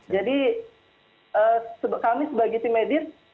jadi kami sebagai tim medis